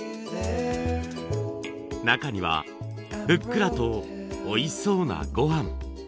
中にはふっくらとおいしそうな御飯。